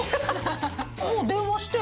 もう電話して。